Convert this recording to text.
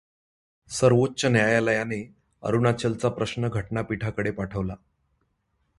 सर्वोच्च न्यायालयाने अरुणाचलचा प्रश्न घटनापीठाकडे पाठवला.